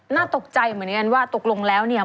น่าตกใจเหมือนกันว่าตกลงแล้วเนี่ย